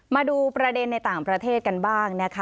มาดูประเด็นในต่างประเทศกันบ้างนะคะ